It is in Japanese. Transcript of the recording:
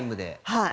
はい。